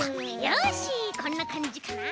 よしこんなかんじかな。